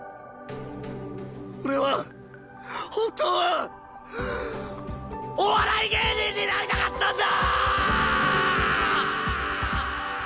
俺は本当はお笑い芸人になりたかったんだ‼